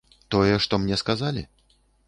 Тое, што мне сказалі?